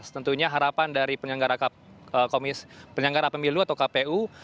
tentunya harapan dari penyelenggara komis penyelenggara pemilu atau kpu